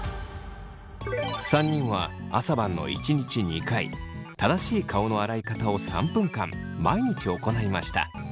３人は朝晩の１日２回正しい顔の洗い方を３分間毎日行いました。